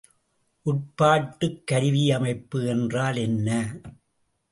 உட்பாட்டுக் கருவியமைப்பு என்றால் என்ன?